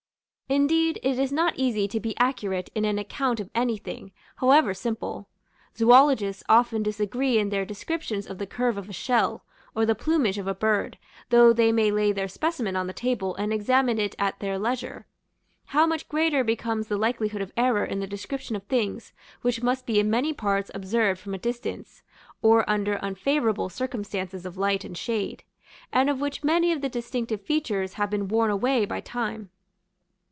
Indeed, it is not easy to be accurate in an account of anything, however simple. Zoologists often disagree in their descriptions of the curve of a shell, or the plumage of a bird, though they may lay their specimen on the table, and examine it at their leisure; how much greater becomes the likelihood of error in the description of things which must be in many parts observed from a distance, or under unfavorable circumstances of light and shade; and of which many of the distinctive features have been worn away by time.